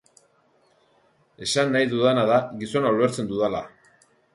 Esan nahi dudana da gizona ulertzen dudala.